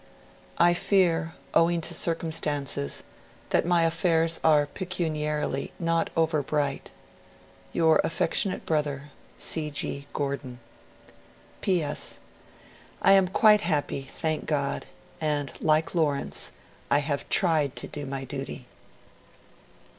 I fear, owing to circumstances, that my affairs are pecuniarily not over bright ... your affectionate brother, C. G. GORDON. 'P.S. I am quite happy, thank God, and, like Lawrence, I have TRIED to do my duty.'